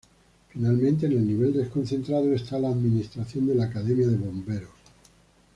Finalmente en el nivel desconcentrado está la administración de la Academia de Bomberos.